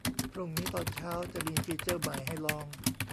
พรุ่งนี้ตอนเช้าจะมีฟีเจอร์ใหม่ให้ลอง